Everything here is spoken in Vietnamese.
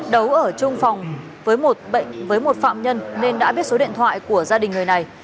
đấu ở trung phòng với một phạm nhân nên đã biết số điện thoại của gia đình người này